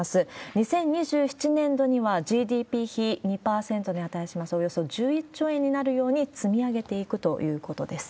２０２７年度には、ＧＤＰ比２％に値します、およそ１１兆円になるように積み上げていくということです。